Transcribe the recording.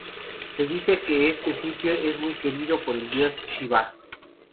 Se dice que este sitio es muy querido por el dios Shivá.